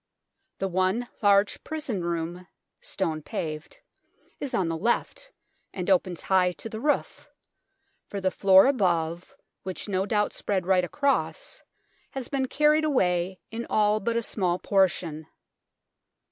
The one large prison room, stone paved, is on the left, and opens high to the roof, for the floor above, which no doubt spread right across, has been carried away in all but a small portion.